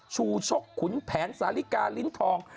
ชูชกขุนแผนสาลิกาลิ้นทอง